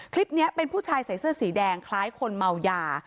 คลิปนี้เป็นผู้ชายใส่เสื้อสีแดงคล้ายคนเมายา